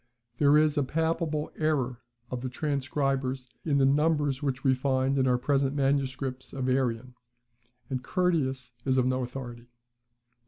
There is a palpable error of the transcribers in the numbers which we find in our present manuscripts of Arrian; and Curtius is of no authority.